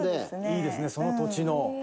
「いいですねその土地の。